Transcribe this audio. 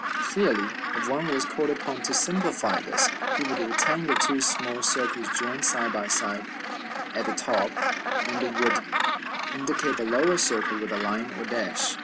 Clearly, if one was called upon to simplify this, he would retain the two small circles joined side by side at the top, and would indicate the lower circle with a line or dash.